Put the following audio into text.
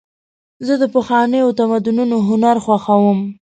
زه د پخوانیو تمدنونو هنر خوښوم.